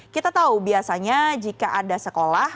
kita tahu biasanya jika ada sekolah